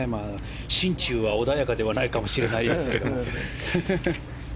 心中は穏やかではないかもしれないですけど。